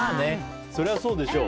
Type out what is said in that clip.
そりゃそうでしょう。